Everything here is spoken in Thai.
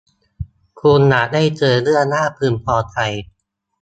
คุณอาจได้เจอเรื่องน่าพึงพอใจ